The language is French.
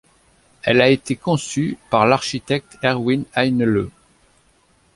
Elle a été conçue par l'architecte Erwin Heinle.